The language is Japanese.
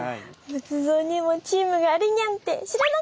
仏像にもチームがあるにゃんて知らなかったにゃ！